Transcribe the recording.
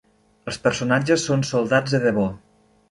Els personatges són soldats de debò.